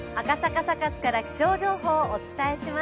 サカスから気象情報をお伝えします。